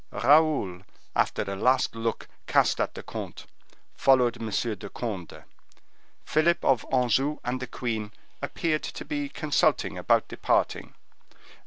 Raoul, after a last look cast at the comte, followed M. de Conde. Philip of Anjou and the queen appeared to be consulting about departing.